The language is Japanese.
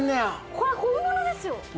これ本物ですよ！